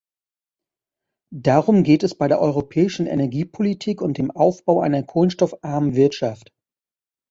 Darum geht es bei der europäischen Energiepolitik und dem Aufbau einer kohlenstoffarmen Wirtschaft.